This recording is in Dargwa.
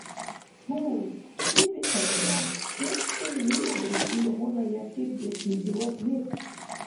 Гьу, се бетаура? Сен-сен виубри илгъуна ясирдешлизивад верцес?